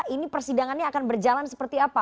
ini persidangannya akan berjalan seperti apa